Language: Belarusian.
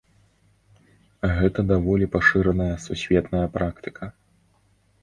Гэта даволі пашыраная сусветная практыка.